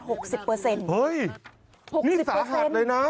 เฮ้ยนี่สาหัสเลยนะ